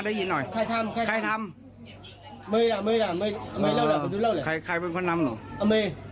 ได้ยินหน่อยใครทำใครทำใครทำใครเป็นคนทำหนูแม่